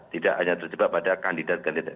tidak hanya terjebak pada kandidat kandidat